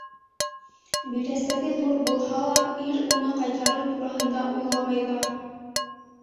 Бирәсәге ҙур булһа ла, ир уны ҡайтарыу тураһында уйламай ҙа.